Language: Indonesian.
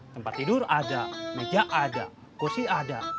tempat tidur ada meja ada kursi ada